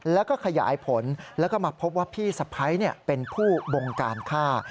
แล้วก็ขยายผลแล้วก็มาพบว่าพี่สะพ้ายเป็นผู้บงการฆ่า